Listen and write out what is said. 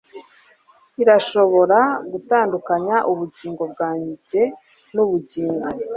irashobora gutandukanya ubugingo bwanjye n'ubugingo